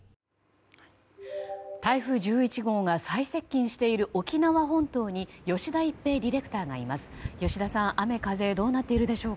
台風１１号が最接近している沖縄本島に吉田一平ディレクターがいます。